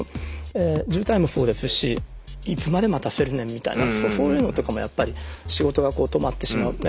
渋滞もそうですしいつまで待たせるねんみたいなそういうのとかもやっぱり仕事が止まってしまう。